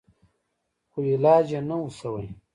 خو علاج يې نه و سوى.